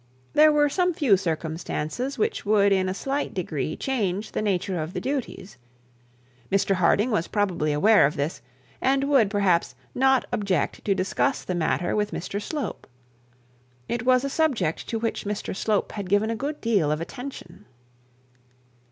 There were some few circumstances which would in a slight degree change the nature of the duties. Mr Harding was probably aware of this, and would, perhaps, not object to discuss the matter with Mr Slope. It was a subject to which Mr Slope had given a good deal of attention.